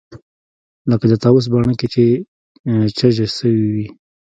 لکه د طاووس بڼکې چې چجه سوې وي.